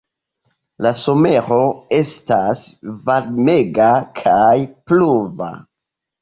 La somero estas varmega kaj pluva.